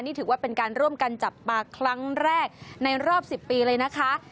นี่ถือว่าเป็นการร่วมกันจับปลาครั้งแรกในรอบ๑๐ปีเลยนะคะ